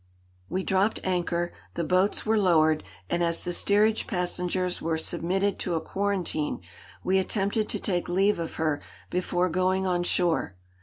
We dropped anchor, the boats were lowered, and as the steerage passengers were submitted to a quarantine, we attempted to take leave of her before going on shore.